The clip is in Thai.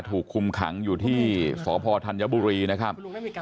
ถูกคุมขังอยู่ที่สพธัญบุรีนะครับ